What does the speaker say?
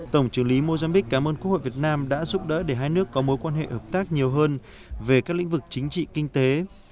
tổng trưởng lý mozambiq cảm ơn quốc hội việt nam đã giúp đỡ để hai nước có mối quan hệ hợp tác nhiều hơn về các lĩnh vực chính trị kinh tế